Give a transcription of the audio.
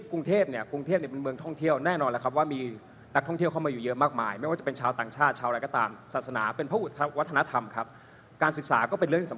รถไฟฟ้าให้ขยายนี่รัฐบาลรูตุใช่ไหม